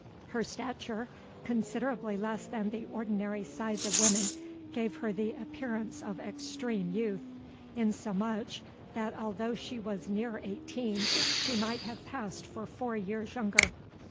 Her stature, considerably less than the ordinary size of women, gave her the appearance of extreme youth, insomuch, that although she was near eighteen, she might have passed for four years younger.